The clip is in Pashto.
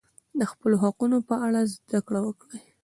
د خپلو حقونو په اړه زده کړه وکړئ.